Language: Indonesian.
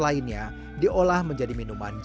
lainnya diolah menjadi minuman